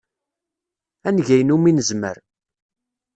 Ad neg ayen umi nezmer.